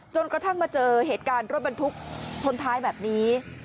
จนกระทั่งมาเจอเหตุการณ์รถบรรทุกชนท้ายแบบนี้